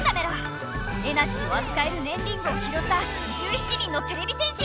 エナジーをあつかえるねんリングをひろった１７人のテレビ戦士。